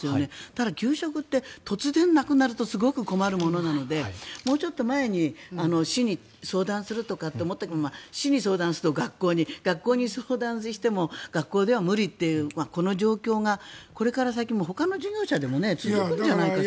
ただ、給食って突然なくなるとすごく困るものなのでもうちょっと前に市に相談するとかって思っても市に相談すると学校に学校に相談しても学校では無理というこの状況がこれから先もほかの事業者でも続くんじゃないかと。